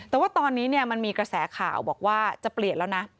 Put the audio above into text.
แต่ว่าตอนนี้มันมีกระแสข่าวบอกว่าจะเปลี่ยนแล้วนะ